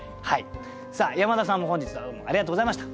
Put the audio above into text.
さあ山田さんも本日はどうもありがとうございました。